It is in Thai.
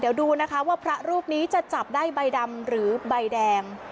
เดี๋ยวดูนะคะว่าพระรูปนี้จะจับได้ใบดำหรือใบแดง